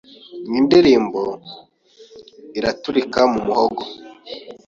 Iyi ndirimbo iraturika mu muhogo